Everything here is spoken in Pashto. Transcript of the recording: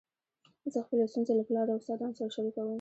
زه خپلي ستونزي له پلار او استادانو سره شریکوم.